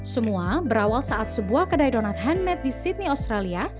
semua berawal saat sebuah kedai donat handmade di sydney australia